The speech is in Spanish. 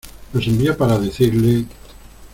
nos envía para decirle...